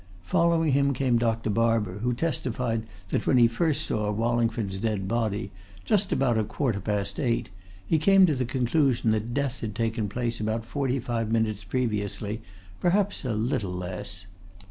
Following him came Dr. Barber, who testified that when he first saw Wallingford's dead body, just about a quarter past eight, he came to the conclusion that death had taken place about forty five minutes previously, perhaps a little less.